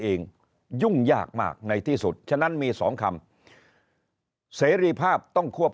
ยุ่งยากมากในที่สุดฉะนั้นมีสองคำเสรีภาพต้องควบ